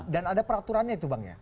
dan ada peraturannya itu bang ya